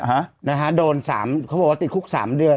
อยู่ได้โดนติดคุก๓เดือน